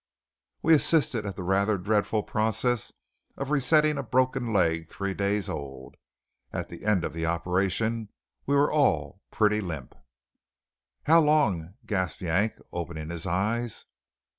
We assisted at the rather dreadful process of resetting a broken leg three days old. At the end of the operation we were all pretty limp. "How long?" gasped Yank, opening his eyes.